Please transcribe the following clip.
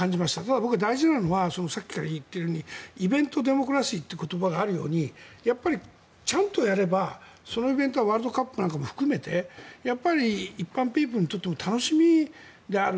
だけど僕、大事なのはさっきから言っているようにイベントデモクラシーという言葉があるようにちゃんとやればそのイベントはワールドカップなんかも含めて一般ピープルにとって楽しみである。